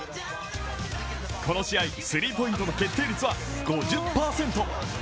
この試合、スリーポイントの決定率は５０％。